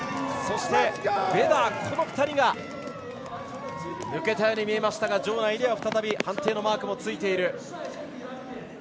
そしてベダーこの２人が抜けたように見えましたが場内には再び判定のマークがついている。